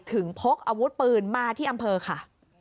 พกอาวุธปืนมาที่อำเภอค่ะ